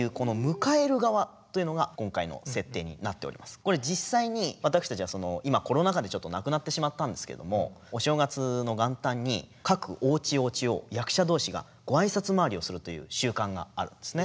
これ実際に私たちは今コロナ禍でちょっとなくなってしまったんですけどもお正月の元旦に各おうちおうちを役者同士がごあいさつ回りをするという習慣があるんですね。